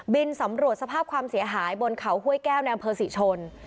บินสำรวจสภาพความเสียหายบนเขาห้วยแก้วในอำเภอศรีชน